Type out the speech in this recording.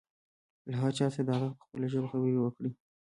له هر چا سره د هغه په خپله ژبه خبرې وکړئ.